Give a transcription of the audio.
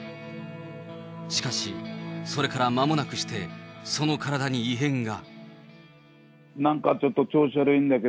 しかし、それからまもなくしてその体に異変が。